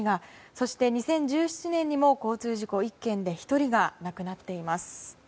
そして２０１７年にも交通事故１件で１人が亡くなっています。